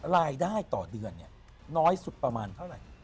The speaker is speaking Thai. รายได้ต่อเดือนเนี่ยน้อยสุดประมาณเท่าไหร่